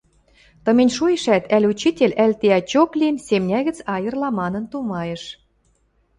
Тымень шоэшӓт, ӓль учитель, ӓль тиӓчок лин, семня гӹц айырла манын тумайыш.